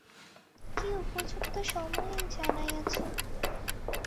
কি উপযুক্ত সময়েই জানাইয়াছ।